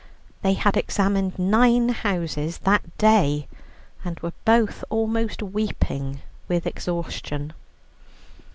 They had examined nine houses that day, and were both almost weeping with exhaustion.